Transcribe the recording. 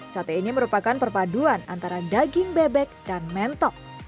sate ini merupakan perpaduan antara daging bebek dan mentok